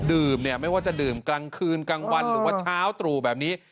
ดื่มเนี่ยไม่ว่าจะดื่มกลางคืนกลางวันหรือว่าเช้าตรู่แบบนี้